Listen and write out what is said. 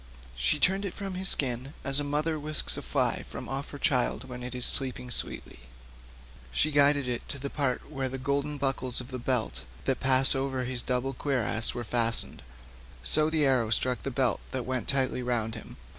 She turned it from his skin as a mother whisks a fly from off her child when it is sleeping sweetly; she guided it to the part where the golden buckles of the belt that passed over his double cuirass were fastened, so the arrow struck the belt that went tightly round him.